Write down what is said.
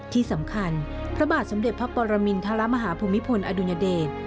ที่สำคัญพระบาทสมเด็จพระปรมินทรมาฮาภูมิพลอดุญเดช